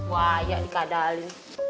wah ya dikadali